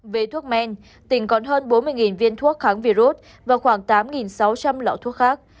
về thuốc men tỉnh còn hơn bốn mươi viên thuốc kháng virus và khoảng tám sáu trăm linh lọ thuốc khác